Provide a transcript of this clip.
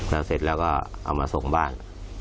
แล้วเสร็จแล้วก็เอามาส่งบ้าน